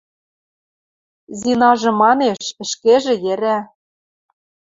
– Зинажы манеш, ӹшкежӹ йӹрӓ.